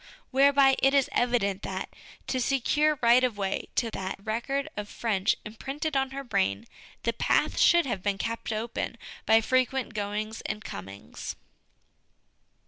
Whereby it is evident that, to secure right of way to that record of French imprinted on her brain, the path should have been kept open by frequent goings and comings.